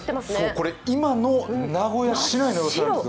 これ、今の名古屋市内の様子なんです。